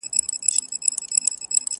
دا منم چي صبر ښه دی او په هر څه کي په کار دی!